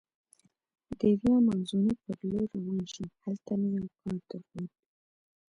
د ویا مانزوني په لورې روان شوم، هلته مې یو کار درلود.